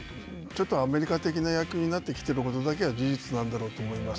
ちょっとアメリカ的な野球になっていることだけは事実なんだろうと思います。